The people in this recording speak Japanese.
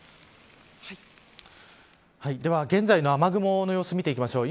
では、現在の雨雲の様子見ていきましょう。